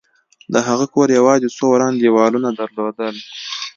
د هغه کور یوازې څو وران دېوالونه درلودل